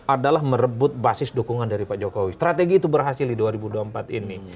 adalah merebut basis dukungan dari pak jokowi strategi itu berhasil di dua ribu dua puluh empat ini